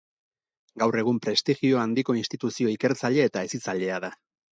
Gaur egun prestigio handiko instituzio ikertzaile eta hezitzailea da.